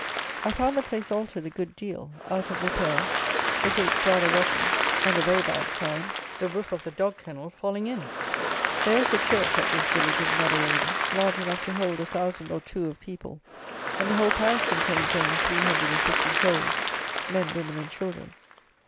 I found the place altered a good deal; out of repair; the gates rather rotten; and (a very bad sign!) the roof of the dog kennel falling in! There is a church, at this village of Netheravon, large enough to hold a thousand or two of people, and the whole parish contains only 350 souls, men, women and children.